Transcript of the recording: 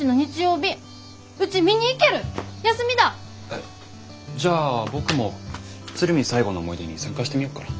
えっじゃあ僕も鶴見最後の思い出に参加してみようかな。